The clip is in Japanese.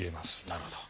なるほど。